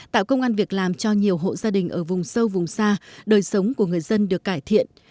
tạo công an việc làm cho nhiều hộ gia đình ở vùng sâu vùng xa đời sống của người dân được cải thiện